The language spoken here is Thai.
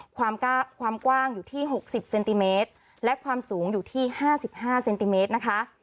ความกาความกว้างอยู่ที่หกสิบเซนติเมตรและความสูงอยู่ที่ห้าสิบห้าเซนติเมตรนะคะ